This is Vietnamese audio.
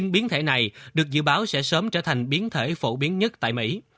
biến thể pa hai được dự báo sẽ sớm trở thành biến thể phổ biến nhất tại mỹ